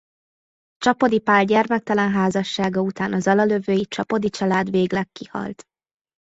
Csapody Pál gyermektelen házassága után a zalalövői Csapody család végleg kihalt.